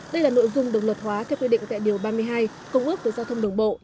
đây là nội dung được luật hóa theo quy định tại điều ba mươi hai công ước về giao thông đường bộ